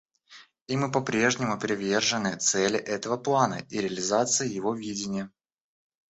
И мы по-прежнему привержены цели этого плана и реализации его видения.